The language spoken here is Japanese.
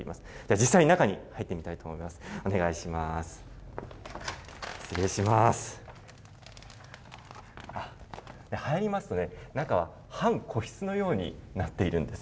実際に中に入ってみたいと思います。